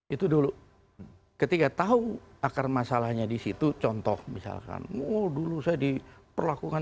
itu dulu ketika tahu akar masalahnya disitu contoh misalkan oh dulu saya diperlakukan